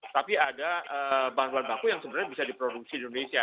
tapi ada bahan bahan baku yang sebenarnya bisa diproduksi di indonesia